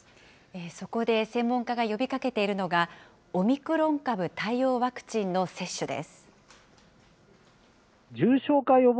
そこで、専門家が呼びかけているのが、オミクロン株対応ワクチンの接種です。